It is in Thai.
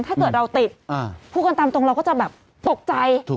ถ้าเกิดเราติดพูดกันตามตรงเราก็จะแบบตกใจ